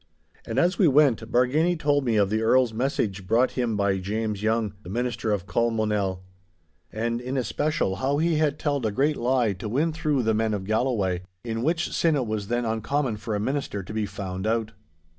And as we went, Bargany told me of the Earl's message brought him by James Young, the Minister of Colmonel. And in especial how he had telled a great lie to win through the men of Galloway—in which sin it was then uncommon for a minister to be found out.